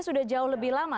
sudah jauh lebih lama